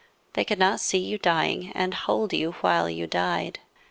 They could not see you dying. And hold you while you died.